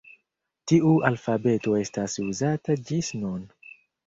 Tiu alfabeto estas uzata ĝis nun.